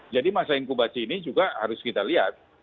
masa inkubasi ini juga harus kita lihat